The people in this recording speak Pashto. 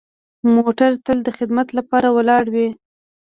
موټر تل د خدمت لپاره ولاړ وي.